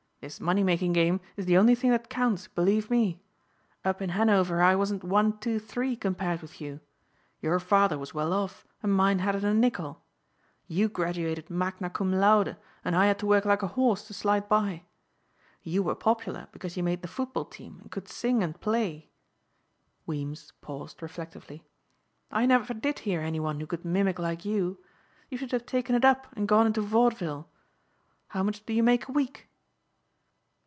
This money making game is the only thing that counts, believe me. Up in Hanover I wasn't one, two, three, compared with you. Your father was well off and mine hadn't a nickel. You graduated magna cum laude and I had to work like a horse to slide by. You were popular because you made the football team and could sing and play." Weems paused reflectively, "I never did hear any one who could mimic like you. You should have taken it up and gone into vaudeville. How much do you make a week?"